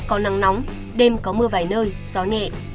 có nắng nóng đêm có mưa vài nơi gió nhẹ